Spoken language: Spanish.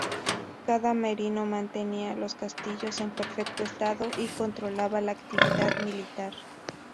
Cada merino mantenía los castillos en perfecto estado y controlaba la actividad militar.